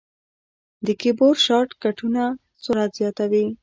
د کیبورډ شارټ کټونه سرعت زیاتوي.